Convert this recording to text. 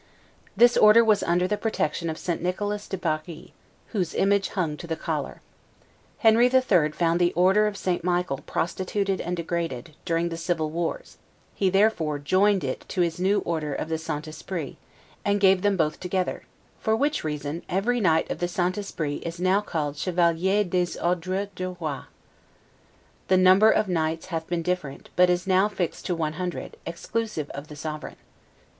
This Order was under the protection of St. Nicholas de Bari, whose image hung to the collar. Henry III. found the Order of St. Michael prostituted and degraded, during the civil wars; he therefore joined it to his new Order of the St. Esprit, and gave them both together; for which reason every knight of the St. Esprit is now called Chevalier des Ordres du Roi. The number of the knights hath been different, but is now fixed to ONE HUNDRED, exclusive of the sovereign.